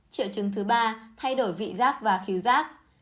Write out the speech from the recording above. triệu chứng thứ ba thay đổi vị giác và khíu giác